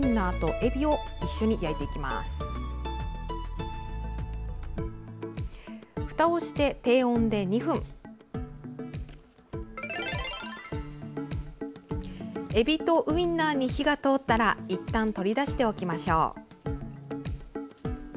えびとウインナーに火が通ったらいったん取り出しておきましょう。